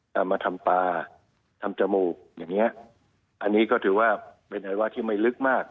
เอามาทำปลาทำจมูกอย่างเงี้ยอันนี้ก็ถือว่าเป็นไอวะที่ไม่ลึกมาก